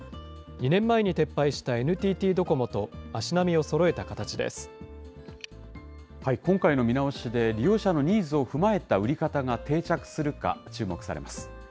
２年前に撤廃したＮＴＴドコモと今回の見直しで、利用者のニーズを踏まえた売り方が定着するか、注目されます。